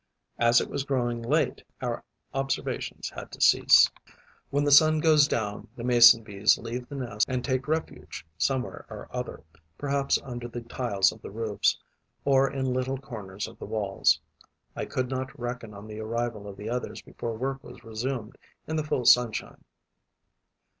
As it was growing late, our observations had to cease. When the sun goes down, the Mason bees leave the nest and take refuge somewhere or other, perhaps under the tiles of the roofs, or in little corners of the walls. I could not reckon on the arrival of the others before work was resumed, in the full sunshine.